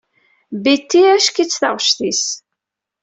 Betty acek-itt taɣect-is.